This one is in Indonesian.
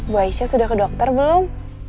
bu aisyah sudah ke dokter belum